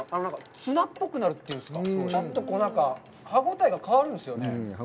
ツナっぽくなるというか、ちょっと歯応えが変わるんですよね。